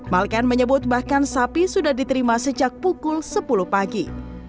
malkan menyebut bahkan sapi sudah diterima sejak pukul sepuluh pagi